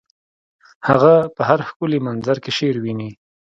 هغه په هر ښکلي منظر کې شعر ویني